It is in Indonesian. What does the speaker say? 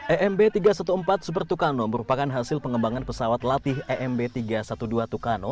emb tiga ratus empat belas super tucano merupakan hasil pengembangan pesawat latih emb tiga ratus dua belas tucano